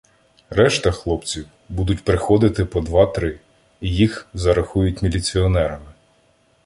Решта хлопців будуть приходити по два-три, і їх зарахують міліціонерами.